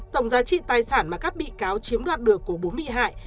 tổng giá trị tài sản mà các bị cáo chiếm đoạt được của bốn bị hại